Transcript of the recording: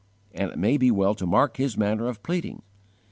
_ And it may be well to mark his manner of pleading.